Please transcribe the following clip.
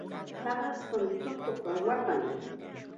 Paqaspam tukuqa waqan.